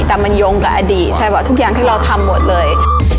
แต่มันยงกับอดีตทุกอย่างที่เราทำทั้งหมดเลย